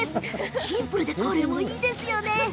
シンプルでこれもいいですよね。